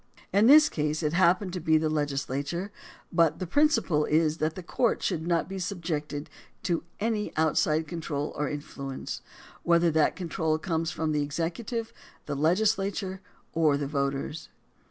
In this case it happened to be the legislature, but the principle is that the courts should not be subjected to any outside control or influence, whether that control comes from the executive, the legislature, or the voters.